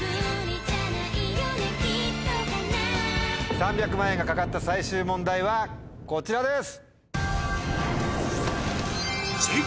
３００万円が懸かった最終問題はこちらです。